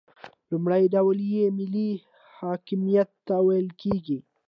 لومړی ډول یې ملي حاکمیت ته ویل کیږي.